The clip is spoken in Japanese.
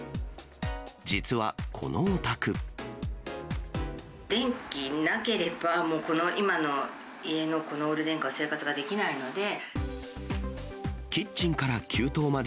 実は、電気なければ、この今の家のオール電化、生活ができないので。